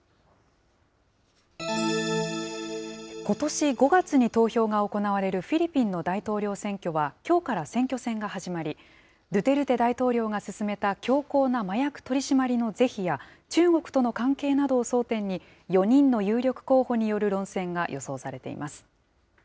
ことし５月に投票が行われるフィリピンの大統領選挙はきょうから選挙戦が始まり、ドゥテルテ大統領が進めた強硬な麻薬取締りの是非や、中国との関係などを争点に、４人の有力候補による論戦